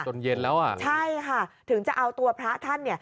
เย็นแล้วอ่ะใช่ค่ะถึงจะเอาตัวพระท่านเนี่ย